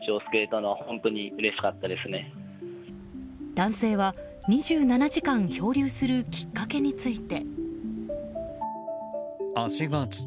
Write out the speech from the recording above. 男性は２７時間漂流するきっかけについて。